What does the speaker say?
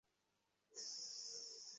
লজ্জা পেয়ো না!